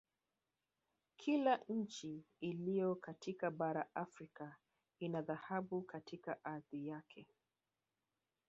Kila nchi ilyopo katika bara la Afrika ina dhahabu katika ardhi yake